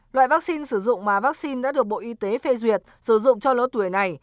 loại vaccine sử dụng mà vaccine đã được bộ y tế phê duyệt sử dụng cho lứa tuổi này